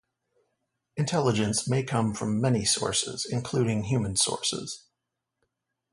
Intelligence may come from many sources, including human sources.